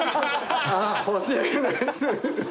ああ欲しいです。